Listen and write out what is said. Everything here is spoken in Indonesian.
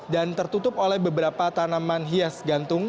dan tertutup oleh beberapa tanaman hias gantung